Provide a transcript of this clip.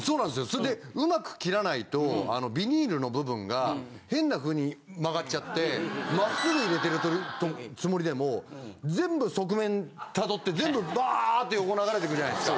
それで上手く切らないとあのビニールの部分が変なふうに曲がっちゃって真っすぐ入れてるつもりでも全部側面たどって全部バァーって横流れていくじゃないですか。